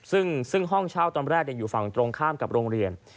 ซึ่งห้องเช่าตอนแรกอยู่ฝั่งตรงข้ามกับโรงเรียน